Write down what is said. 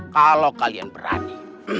kalau kalian berani